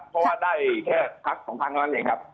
เพราะว่าได้แค่คัก๒๐๐๐บาทอย่างนั้นครับ